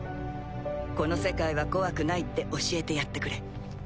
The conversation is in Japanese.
この世界は怖くないって教えてやってくれ。